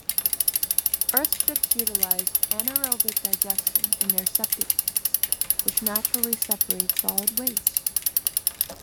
Earthships utilize anaerobic digestion in their septic tanks, which naturally separate solid waste.